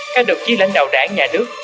các độc chí lãnh đạo đảng nhà nước